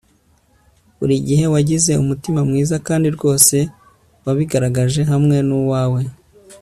burigihe wagize umutima mwiza kandi rwose wabigaragaje hamwe nuwawe